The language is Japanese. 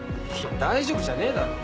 大丈夫じゃねえだろ。